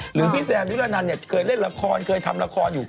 พี่แซมยุรนันเนี่ยเคยเล่นละครเคยทำละครอยู่